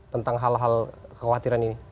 tentang hal hal kekhawatiran ini